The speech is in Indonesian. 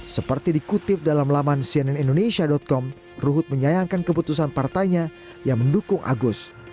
seperti dikutip dalam laman cnnindonesia com ruhut menyayangkan keputusan partainya yang mendukung agus